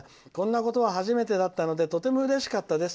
こんなことは初めてだったのでとてもうれしかったです。